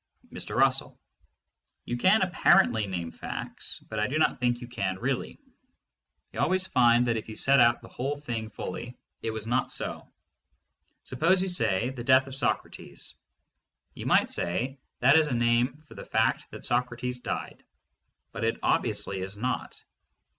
Mr. Russell: You can apparently name facts, but I do not think you can really : you would always find that if you set out the whole thing fully, it was not so. Suppose you say "The death of Socrates." You might say, that is a name for the fact that Socrates died. But it obviously is not.